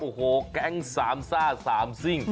โอ้โหแก๊งสามซ่า๓ซิ่ง